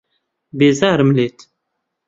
بێزارم لێت.